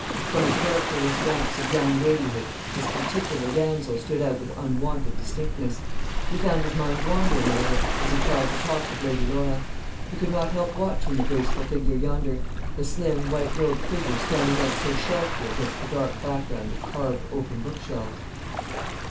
From the characterless ranks of young ladyhood this particular damsel stood out with unwonted distinctness. He found his mind wandering a little as he tried to talk with Lady Laura. He could not help watching the graceful figure yonder, the slim white robed figure standing out so sharply against the dark background of carved oaken bookshelves.